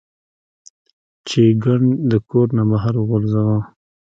چې ګند د کور نه بهر غورځوه -